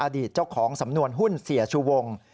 อดีตเจ้าของสำนวนหุ้นเสียชูวง